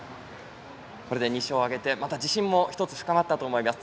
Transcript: これで２勝を挙げて自信も深まったかと思います。